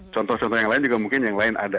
contoh contoh yang lain juga mungkin yang lain ada